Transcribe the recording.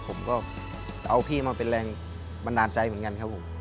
ผมก็เอาพี่มาเป็นแรงบันดาลใจเหมือนกันครับผม